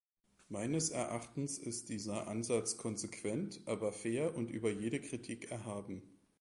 Meines Erachtens ist dieser Ansatz konsequent, aber fair und über jede Kritik erhaben.